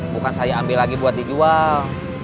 bukan saya ambil lagi buat dijual